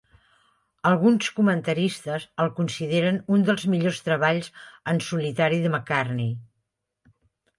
Alguns comentaristes el consideren un dels millors treballs en solitari de McCartney.